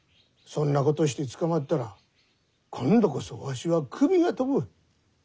そんなことして捕まったら今度こそわしは首が飛ぶ。